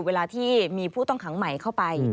เวลาที่มีผู้ต้องขังใหม่เข้าไป